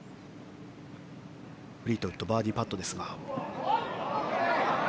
フリートウッドバーディーパットですが。